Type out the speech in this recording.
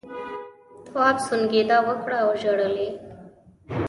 تواب سونگېدا وکړه او ژړل یې.